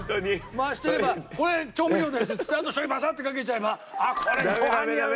回してればこれ調味料ですっつってあとしょう油バサッてかけちゃえば「これご飯に合うね」。